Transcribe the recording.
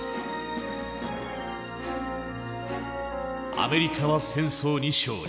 アメリカは戦争に勝利。